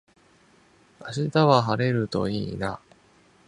明日は晴れるといいな